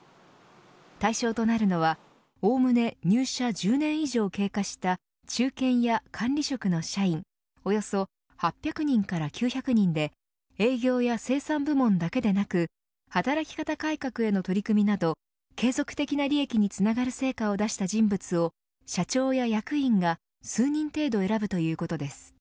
対象となるのは、おおむね入社１０年以上を経過した中堅や管理職の社員およそ８００人から９００人で営業や生産部門だけでなく働き方改革への取り組みなど継続的な利益につながる成果を出した人物を社長や役員が数人程度選ぶということです。